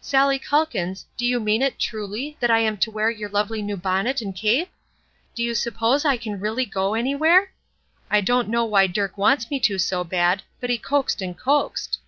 Sallie Calkins, do you mean it, truly, that I am to wear your lovely new bonnet and cape? Do you suppose I can really go anywhere? I don't known why Dirk wants me to so bad, but he coaxed and coaxed."